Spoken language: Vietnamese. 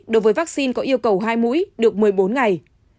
đối với vaccine có yêu cầu hai mũi được một mươi bốn ngày